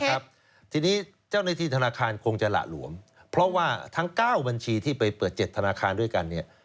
ครับทีนี้เจ้าหน้าที่ธนาคารคงจะหละหลวมเพราะว่าทั้ง๙บัญชีที่ไปเปิด๗ธนาคารด้วยกันเนี่ย